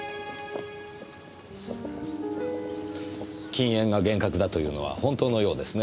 禁煙が厳格だというのは本当のようですねぇ。